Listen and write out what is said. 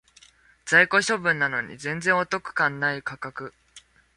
在庫処分なのに全然お得感ない価格